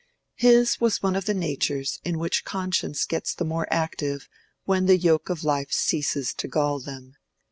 His was one of the natures in which conscience gets the more active when the yoke of life ceases to gall them.